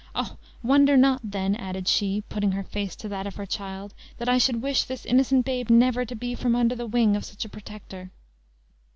O! wonder not, then," added she, putting her face to that of her child, "that I should wish this innocent babe never to be from under the wing of such a protector."